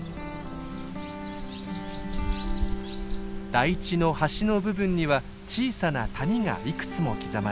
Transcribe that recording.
台地の端の部分には小さな谷がいくつも刻まれています。